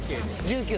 １９。